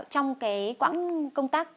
trong cái quãng công tác